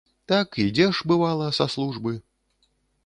Так ідзеш, бывала, са службы.